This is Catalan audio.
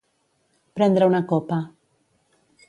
Prendre una copa.